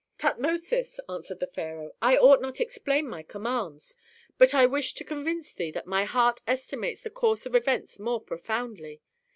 "Tutmosis," answered the pharaoh, "I might not explain my commands, but I wish to convince thee that my heart estimates the course of events more profoundly.